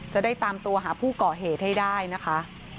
จะได้ตามตัวหาผู้ก่อเหตุให้ได้นะคะ